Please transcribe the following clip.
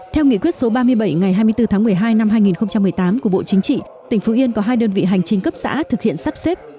theo nghị quyết số ba mươi bảy ngày hai mươi bốn tháng một mươi hai năm hai nghìn một mươi tám của bộ chính trị tỉnh phú yên có hai đơn vị hành chính cấp xã thực hiện sắp xếp